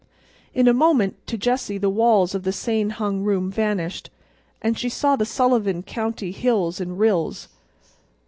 In a moment to Jessie the walls of the seine hung room vanished, and she saw the Sullivan County hills and rills.